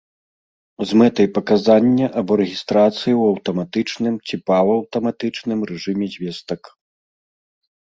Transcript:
З мэтай паказання або рэгістрацыі ў аўтаматычным ці паўаўтаматычным рэжыме звестак